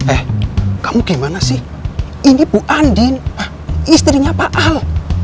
eh kamu gimana sih ini bu andin istrinya pak ahok